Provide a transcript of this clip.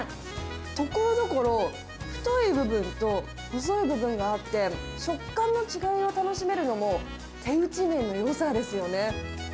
ところどころ、太い部分と細い部分があって、食感の違いを楽しめるのも、手打ち麺のよさですよね。